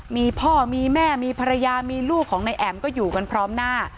มีพ่อมีแม่มีภรรยามีลูกของนายแอ๋มก็อยู่กันพร้อมหน้า